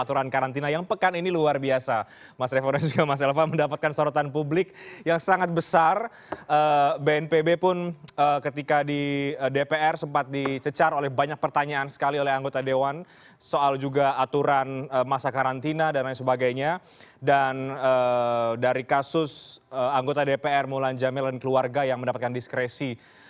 dari kasus anggota dpr mulan jamil dan keluarga yang mendapatkan diskresi